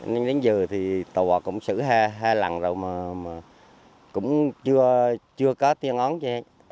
nên đến giờ thì tòa cũng xử hai lần rồi mà cũng chưa có tiên oán cho hết